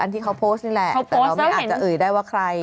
ที่เขาโพสต์นี่แหละแต่เราไม่อาจจะเอ่ยได้ว่าใคร